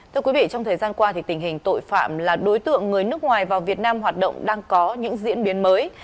thưa quý vị trong thời gian qua tình hình tội phạm là đối tượng người nước ngoài vào việt nam hoạt động đang có những diễn biến mới